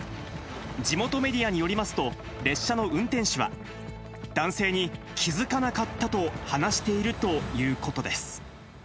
地元メディアによりますと、列車の運転士は、男性に気付かなかったと話しているということです。